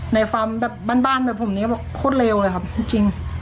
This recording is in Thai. ฟาร์มแบบบ้านแบบผมนี้บอกโคตรเลวเลยครับจริง